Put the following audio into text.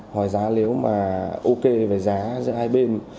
ngoài giá nếu mà ok về giá giữa hai bên